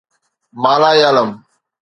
مالايالم